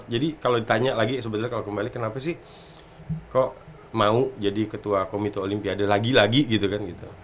jadi kalau ditanya lagi sebenarnya kalau kembali kenapa sih kok mau jadi ketua komite olimpiade lagi lagi gitu kan